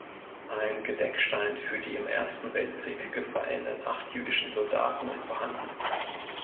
Ein Gedenkstein für die im Ersten Weltkrieg gefallenen acht jüdischen Soldaten ist vorhanden.